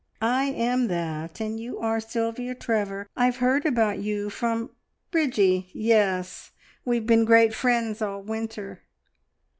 "I am that, and you are Sylvia Trevor. I've heard about you from " "Bridgie yes! We have been great friends all winter."